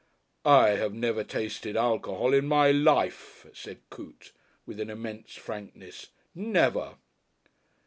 "I have never tasted alcohol in my life," said Coote, with an immense frankness, "never!"